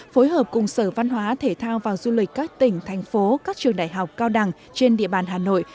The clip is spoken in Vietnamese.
phối hợp cùng sở văn hóa thể thao và du lịch các tỉnh thành phố các trường đại học cao đẳng trên địa bàn hà nội